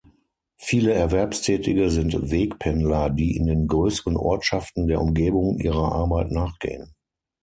Viele Erwerbstätige sind Wegpendler, die in den größeren Ortschaften der Umgebung ihrer Arbeit nachgehen.